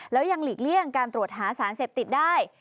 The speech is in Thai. แล้วยังหลีกเลี่ยงการตรวจหาสารเสพติดได้